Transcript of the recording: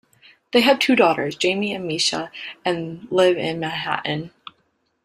They have two daughters, Jamie and Misha, and live in Manhattan.